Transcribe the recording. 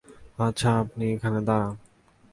আচ্ছা, আপনি এখানে দাঁড়ান।